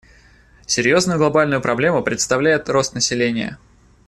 Серьезную глобальную проблему представляет рост населения.